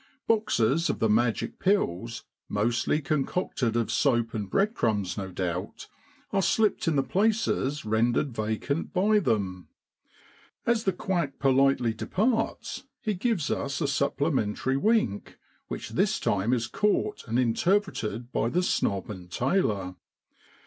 Boxes of the magic pills, mostly concocted of soap and bread crumbs, no doubt, are slipped in the places SEPTEMBER IN BROADLAND. 95 rendered vacant by them. As the quack politely departs he gives us a supplemen tal wink, which this time is caught and interpreted by the snob and tailor.